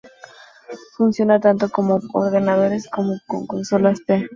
Funciona tanto con ordenadores como con consolas, p.